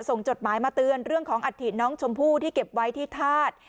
จดหมายมาเตือนเรื่องของอัฐิน้องชมพู่ที่เก็บไว้ที่ธาตุ